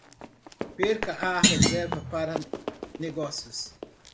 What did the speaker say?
Perca a reserva para negócios